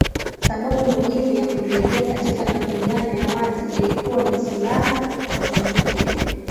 Sababu muhimu ya kutoingia katika mapigano ya wazi ilikuwa ni silaha za nyuklia